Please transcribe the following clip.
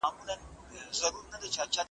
چي پخپله وو په دام کي کښېوتلی ,